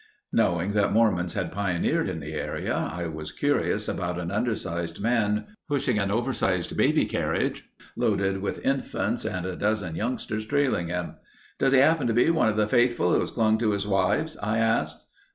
Knowing that Mormons had pioneered in the area, I was curious about an undersized man pushing an oversize baby carriage loaded with infants and a dozen youngsters trailing him. "Does he happen to be one of the Faithful who has clung to his wives?" I asked.